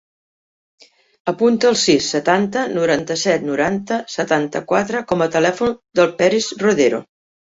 Apunta el sis, setanta, noranta-set, noranta, setanta-quatre com a telèfon del Peris Rodero.